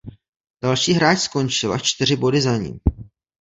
Další hráč skončil až čtyři body za ním.